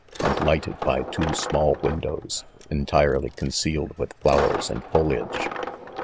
and lighted by two small windows entirely concealed with flowers and foliage.